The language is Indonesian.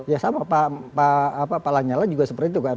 ya sama pak lanyala juga seperti itu kan